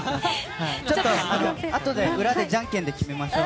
あとで、裏でじゃんけんで決めましょう。